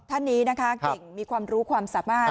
ท่านนี้นะคะเก่งมีความรู้ความสามารถ